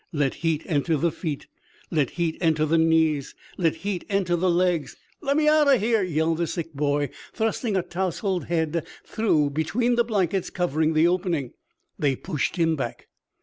"Let heat enter the feet, Let heat enter the knees, Let heat enter the legs " "Lemme out of here!" yelled the sick boy, thrusting a tousled head through between the blankets covering the opening. They pushed him back.